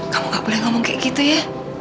kamu gak boleh ngomong kayak gitu ya